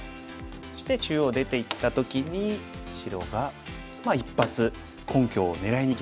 そして中央出ていった時に白が一発根拠を狙いにいきました。